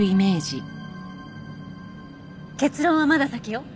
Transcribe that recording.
結論はまだ先よ。